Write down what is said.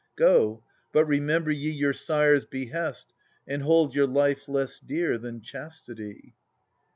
Go — but remember ye your sire's behest. And hol(| your life less dtear than chastity.